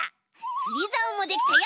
つりざおもできたよ！